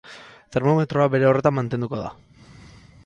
Termometroa bere horretan mantenduko da.